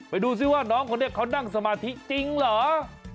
ไปดูซิว่าน้องคนนี้เขานั่งสมาธิจริงเหรอ